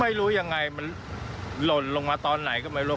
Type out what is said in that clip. ไม่รู้ยังไงมันหล่นลงมาตอนไหนก็ไม่รู้